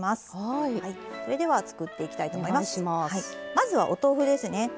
まずはお豆腐ですね。